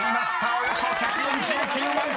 およそ１４９万ｔ］